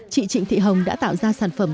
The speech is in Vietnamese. chị trịnh thị hồng đã tạo ra sản phẩm